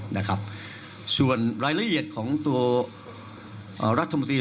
คุณหมอชนหน้าเนี่ยคุณหมอชนหน้าเนี่ย